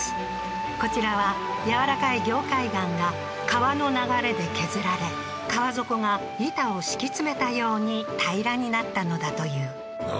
こちらは軟らかい凝灰岩が川の流れで削られ川底が板を敷き詰めたように平らになったのだという何？